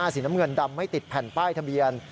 สีน้ำเงินดำไม่ติดแผ่นป้ายทะเบียน